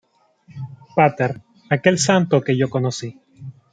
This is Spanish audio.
Pater, Aquel Santo que yo Conocí.